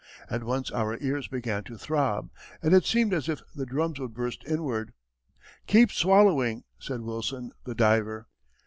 At once our ears began to throb, and it seemed as if the drums would burst inward. "Keep swallowing," said Wilson, the diver.